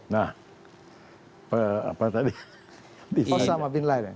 nah apa tadi